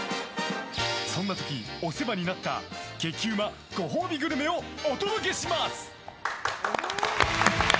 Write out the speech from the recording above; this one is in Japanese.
そんな時、お世話になった激うまご褒美グルメをお届けします。